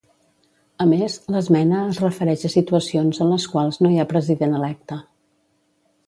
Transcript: A més, l'esmena es refereix a situacions en les quals no hi ha president electe.